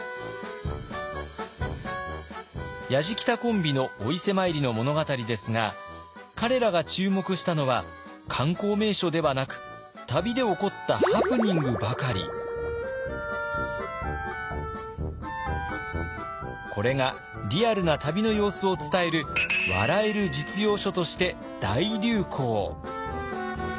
やじきたコンビのお伊勢参りの物語ですが彼らが注目したのは観光名所ではなくこれがリアルな旅の様子を伝える笑える実用書として大流行。